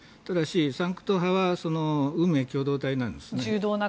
ただし、サンクト派は運命共同体なんですね。